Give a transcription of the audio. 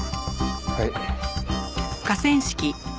はい。